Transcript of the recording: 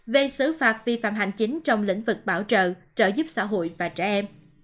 về xử phạt vi phạm hành chính trong lĩnh vực bảo trợ trợ giúp xã hội và trẻ em